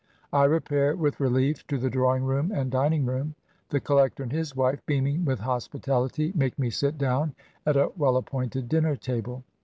I re pair with relief to the drawing room and dining room. The collector and his wife, beaming with hospitality, make me sit down at a well appointed dinner table.